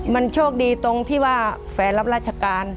มันโชคดีตรงที่ว่าแฟนรับราชการ